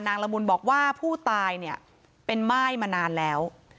ละมุนบอกว่าผู้ตายเนี่ยเป็นม่ายมานานแล้ว